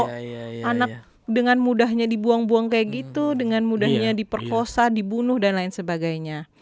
kalau anak dengan mudahnya dibuang buang kayak gitu dengan mudahnya diperkosa dibunuh dan lain sebagainya